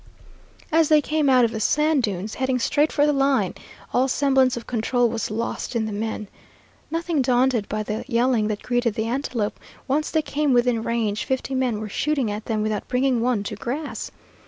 As they came out of the sand dunes, heading straight for the line, all semblance of control was lost in the men. Nothing daunted by the yelling that greeted the antelope, once they came within range fifty men were shooting at them without bringing one to grass.